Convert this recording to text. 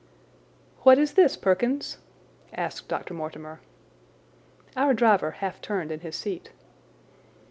"What is this, Perkins?" asked Dr. Mortimer. Our driver half turned in his seat.